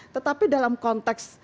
tetapi dalam konteks